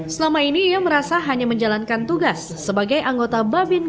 selama ini ia merasa hanya menjalankan tugas sebagai anggota babin